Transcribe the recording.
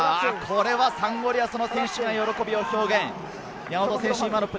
これはサンゴリアスの選手は喜びを表現。